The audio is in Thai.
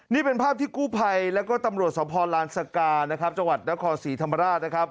นี่เป็นภาพที่กู้ภัยแล้วก็ตำรวจสภลานสกานะครับจังหวัดนครศรีธรรมราชนะครับ